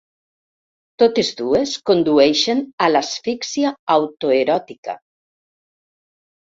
Totes dues condueixen a l'asfíxia auto-eròtica.